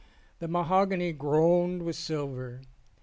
The mahogany groaned with silver.